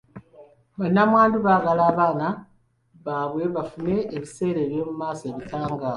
Bannamwandu baagala abaana baabwe bafune ebiseera by'omu maaso ebitangaavu.